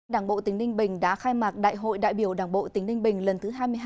đảng bộ tỉnh ninh bình đã khai mạc đại hội đại biểu đảng bộ tỉnh ninh bình lần thứ hai mươi hai